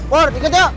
pur dikit yuk